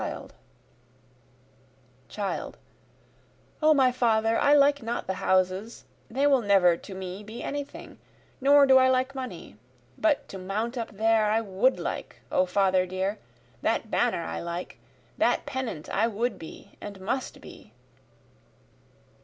Child: O my father I like not the houses, They will never to me be any thing, nor do I like money, But to mount up there I would like, O father dear, that banner I like, That pennant I would be and must be.